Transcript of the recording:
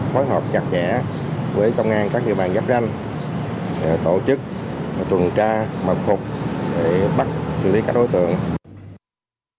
phối hợp chặt chẽ với công an các địa bàn giáp ranh tổ chức tuần tra mật phục bắt xử lý các đối tượng